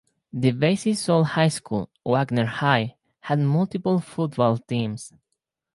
The base's sole high school, Wagner High, had multiple football teams.